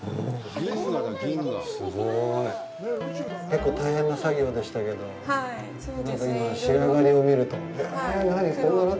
結構、大変な作業でしたけど、今、仕上がりを見ると、へぇぇ、何！